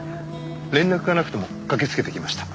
連絡がなくても駆けつけてきました。